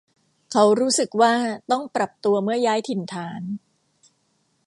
เขารู้สึกว่าต้องปรับตัวเมื่อย้ายถิ่นฐาน